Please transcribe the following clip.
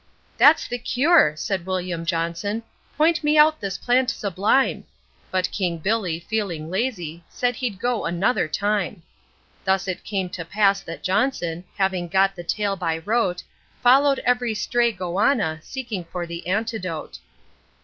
'That's the cure,' said William Johnson, 'point me out this plant sublime,' But King Billy, feeling lazy, said he'd go another time. Thus it came to pass that Johnson, having got the tale by rote, Followed every stray goanna, seeking for the antidote. .....